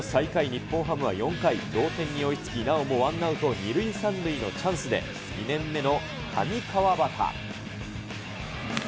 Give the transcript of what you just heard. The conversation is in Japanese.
日本ハムは４回、同点に追いつき、なおもワンアウト２塁３塁のチャンスで、２年目の上川畑。